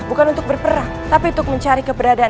bukan untuk berperang tapi untuk mencari keberadaan